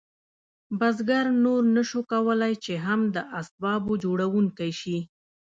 بزګر نور نشو کولی چې هم د اسبابو جوړونکی شي.